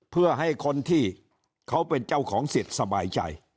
เพื่อให้คนที่เขาเป็นเจ้าของสิทธิ์สบายใจ